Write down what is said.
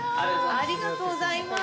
ありがとうございます。